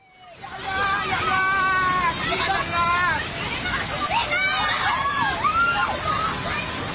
ya allah ya allah tidak lah